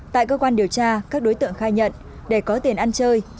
tại cơ quan điều tra các đối tượng khai nhận để có tiền ăn chơi